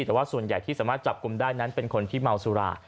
แต่ว่าส่วนใหญ่ที่สามารถจับกลุ่มได้นั้นเป็นคนที่เมาสุรา